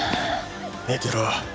寝てろ。